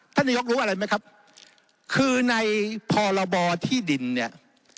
ท่านนายกรู้อะไรไหมครับคือในพรบที่ดินเนี่ย